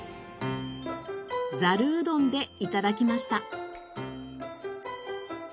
ざるうどんで頂きました。